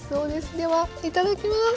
ではいただきます。